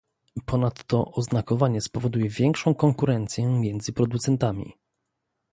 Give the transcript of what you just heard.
Ponadto oznakowanie spowoduje większą konkurencję między producentami